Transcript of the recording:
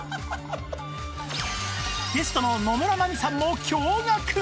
ゲストの野村真美さんも驚愕